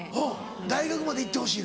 大学までいってほしいの？